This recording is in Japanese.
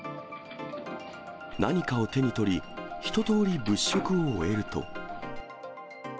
何かを手に取り、一とおり物色を終えると。